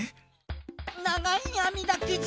ながいあみだくじ。